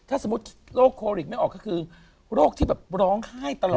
ถ้าสมมุติโรคโควิดไม่ออกก็คือโรคที่แบบร้องไห้ตลอด